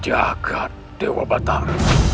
jagad dewa batar